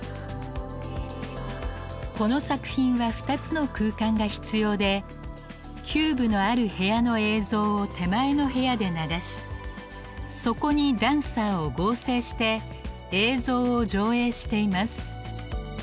この作品は２つの空間が必要でキューブのある部屋の映像を手前の部屋で流しそこにダンサーを合成して映像を上映しています。